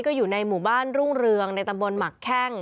ก็อยู่ในหมู่บ้านรุ่งเรืองในตำบลหมักแข้ง